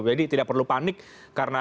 jadi tidak perlu panik